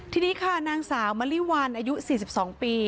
ทีนี้ค่ะนางสาวมะลิวันอายุ๔๒ปี